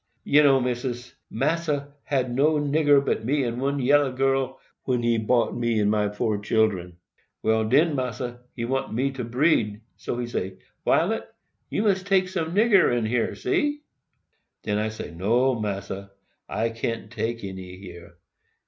"You know, Missis, Massa hab no nigger but me and one yellow girl, when he bought me and my four children. Well, den Massa, he want me to breed; so he say, 'Violet, you must take some nigger here in C.' "Den I say, 'No, Massa, I can't take any here.